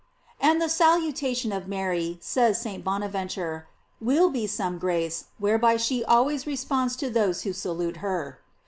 f And the salutation of Mary, says St. Bonaventure, will be some grace, whereby she always responds to those who salute her.